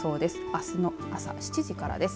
あすの朝７時からです。